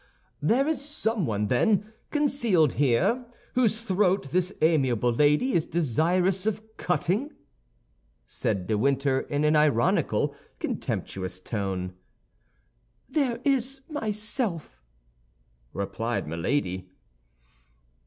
"There is someone, then, concealed here whose throat this amiable lady is desirous of cutting," said de Winter, in an ironical, contemptuous tone. "There is myself," replied Milady.